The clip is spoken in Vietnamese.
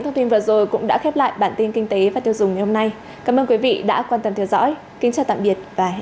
hãy đăng ký kênh để ủng hộ kênh của mình nhé